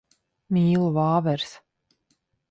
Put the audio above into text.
Mīlu vāveres.